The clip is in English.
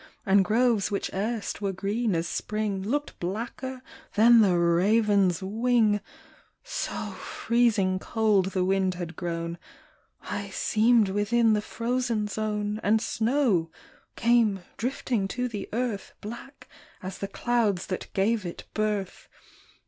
And groves which erst were green as spring Looked blacker than the raven's wing ; So freezing cold the wind had grown I seemed within the frozen zone. And snow came drifting to the earth, Black as the clouds that gave it birth.